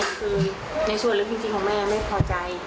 คือในส่วนลักษณ์จริงคุณแม่ไม่พอใจ